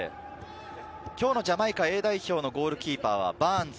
今日のジャマイカＡ代表のゴールキーパーはバーンズ。